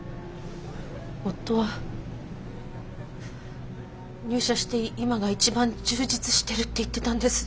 夫は入社して今が一番充実してるって言ってたんです。